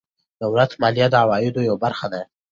دولت مالیه د عوایدو یوه برخه ده.